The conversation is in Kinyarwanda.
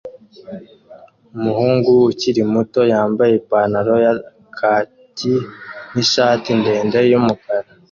Umuhungu ukiri muto yambaye ipantaro ya kaki n'ishati ndende y'umukara